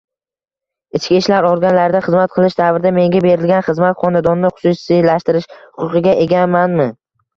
Ichki ishlar organlarida xizmat qilish davrida menga berilgan xizmat xonadonini xususiylashtirish huquqiga egamanmi?